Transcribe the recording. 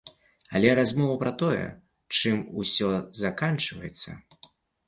Але размова пра тое, чым усё заканчваецца.